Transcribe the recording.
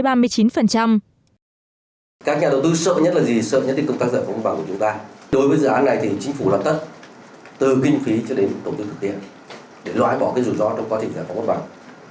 từ kinh phí cho đến tổng thức thực hiện để loại bỏ cái rủi ro trong quá trình giải phóng bất bằng